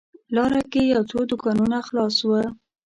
لاره کې یو څو دوکانونه خلاص و.